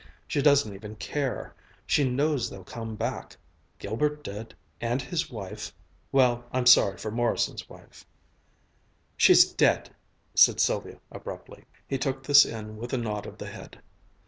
She doesn't even care. She knows they'll come back. Gilbert did. And his wife ... well, I'm sorry for Morrison's wife." "She's dead," said Sylvia abruptly. He took this in with a nod of the head.